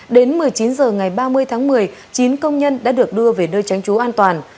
đến một mươi chín h ngày ba mươi tháng một mươi chín công nhân đã được đưa về nơi tránh trú an toàn